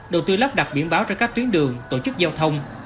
đầu tư lắp đặt biển báo cho các tuyến đường tổ chức giao thông